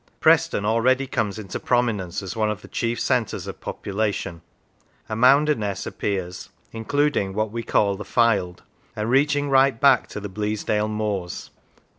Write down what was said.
Preston already comes into prominence as one of the chief centres of population. Amounderness appears, including what we call the Fylde, and reaching right back to the Bleasdale moors.